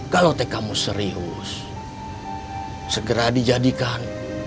kalau tkmu serius segera dijadikan